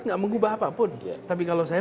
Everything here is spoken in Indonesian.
nggak mengubah apapun tapi kalau saya